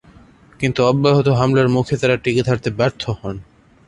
কিন্তু অব্যাহত হামলার মুখে তারা টিকে থাকতে ব্যর্থ হন।